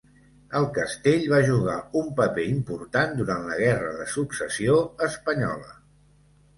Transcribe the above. El castell va jugar un paper important durant la Guerra de Successió Espanyola.